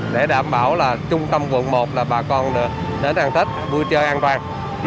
để đảm bảo là trung tâm quận một là bà con được đến ăn tết vui chơi an toàn